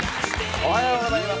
おはようございます。